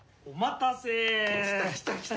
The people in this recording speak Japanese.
来た来た来た！